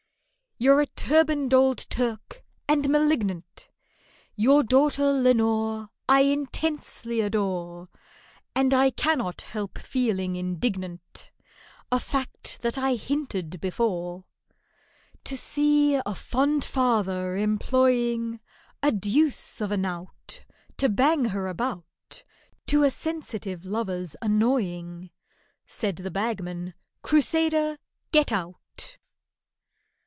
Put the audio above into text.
"You're a turbaned old Turk, and malignant— Your daughter LENORE I intensely adore, And I cannot help feeling indignant, A fact that I hinted before; "To see a fond father employing A deuce of a knout For to bang her about, To a sensitive lover's annoying." Said the bagman, "Crusader, get out."